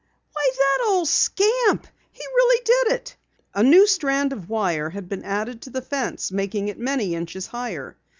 "Why, that old scamp! He really did it!" A new strand of wire had been added to the fence, making it many inches higher.